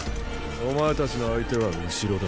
お前たちの相手は後ろだ。